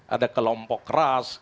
ada kelompok keras